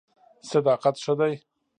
صداقت ښه دی.